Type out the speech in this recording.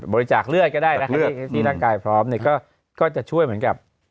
โบริจาคเลือดเลือกที่รักกายใจพร้อมก็จะช่วยเหมือนกับ